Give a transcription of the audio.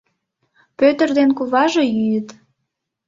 Пӧтыр ден куваже йӱыт.